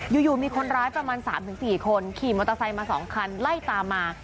อยู่อยู่มีคนร้ายประมาณสามถึงสี่คนขี่มอเตอร์ไซส์มาสองคันไล่ตามมา